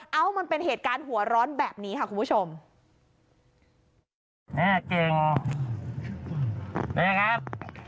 เอ้ามันเป็นเหตุการณ์หัวร้อนแบบนี้ค่ะคุณผู้ชมแม่เก่งนะครับ